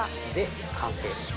完成です。